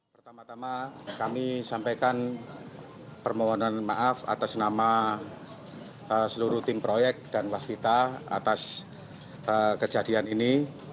pertama tama kami sampaikan permohonan maaf atas nama seluruh tim proyek dan waskita atas kejadian ini